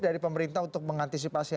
dari pemerintah untuk mengantisipasi